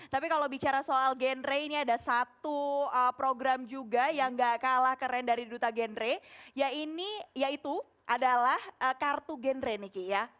jadi kalau bicara soal gendre ini ada satu program juga yang gak kalah keren dari duta gendre yaitu adalah kartu gendre nih ki ya